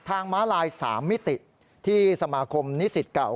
ม้าลาย๓มิติที่สมาคมนิสิตเก่า